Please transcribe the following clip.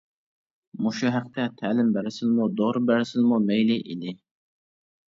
مۇشۇ ھەقتە تەلىم بەرسىلىمۇ دورا بەرسىلىمۇ مەيلى ئىدى.